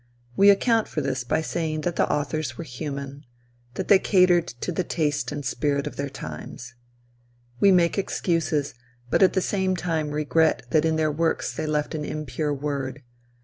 We account for this by saying that the authors were human; that they catered to the taste and spirit of their times. We make excuses, but at the same time regret that in their works they left an impure word.